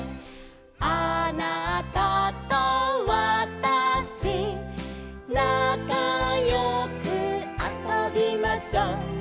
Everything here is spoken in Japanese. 「あなたとわたし」「なかよくあそびましょう」